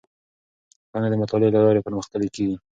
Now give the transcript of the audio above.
پوهنه د مطالعې له لارې پرمختللې کیږي.